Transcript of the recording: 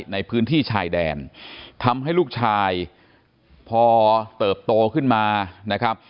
ในพื้นที่ชายแดนทำให้ลูกชายพอเติบโตขึ้นมานะครับ